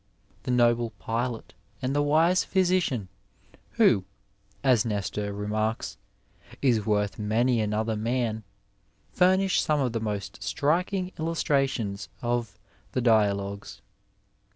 The noble pilot and the wise phjrsician who, as Nestor remarks, " is worth many another man," famish some of the most striking illustrations of the Dialogues.